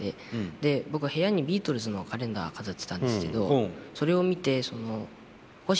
で僕部屋にビートルズのカレンダー飾ってたんですけどそれを見てそのホシヤさんっていうんですけど。